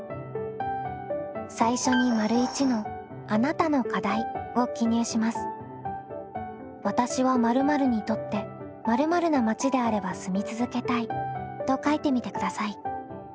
最初に「私は〇〇にとって〇〇な町であれば住み続けたい」と書いてみてください。